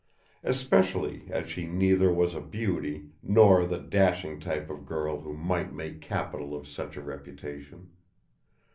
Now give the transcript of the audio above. Especially as she neither was a beauty nor the dashing type of girl who might make capital of such a reputation.